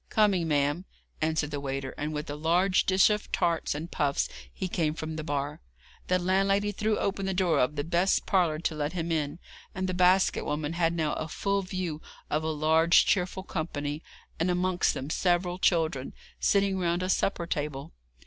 'Coming, ma'am,' answered the waiter, and with a large dish of tarts and puffs he came from the bar. The landlady threw open the door of the best parlour to let him in, and the basket woman had now a full view of a large cheerful company, and amongst them several children, sitting round a supper table.